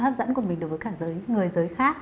hấp dẫn của mình đối với cả giới người giới khác